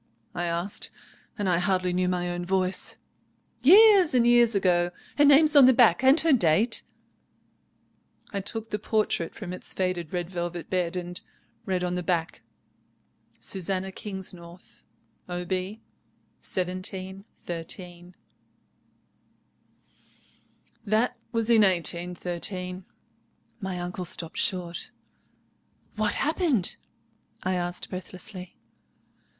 I asked, and I hardly knew my own voice. "'Years and years ago! Her name's on the back and her date——' "I took the portrait from its faded red velvet bed, and read on the back—'Susannah Kingsnorth, Ob. 1713.' "That was in 1813." My uncle stopped short. "What happened?" I asked breathlessly.